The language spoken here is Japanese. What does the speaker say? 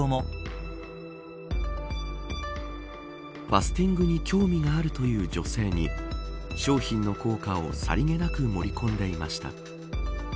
ファスティングに興味があるという女性に商品の効果をさりげなく盛り込んでいました。